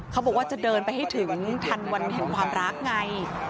เขาบอกว่าจะเดินไปให้ถึงทันวันแห่งความรักไง